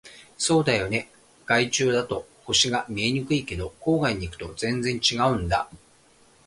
そうだよね。街中だと星が見えにくいけど、郊外に行くと全然違うんだ。